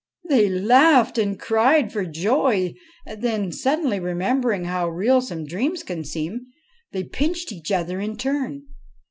They laughed and cried for joy ; then, suddenly remembering how real some dreams can seem, they pinched each other in turn.